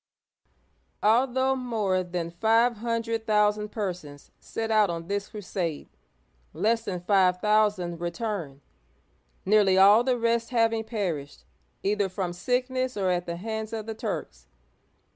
Although more than five hundred thousand persons set out on this crusade, less than five thousand returned, nearly uigiTizea Dy vjiOOQlC 112 OLD FRANCE all the rest having perished, either from sickness or at the hands of the Turks.